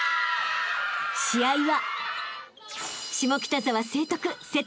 ［試合は］